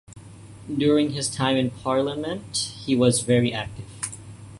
During his time in Parliament he was very active.